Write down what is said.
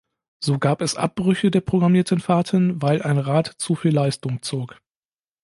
So gab es Abbrüche der programmierten Fahrten, weil ein Rad zu viel Leistung zog.